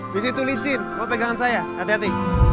disitu licin kamu pegangan saya hati hati